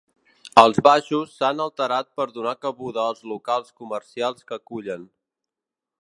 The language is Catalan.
Els baixos s'han alterat per donar cabuda als locals comercials que acullen.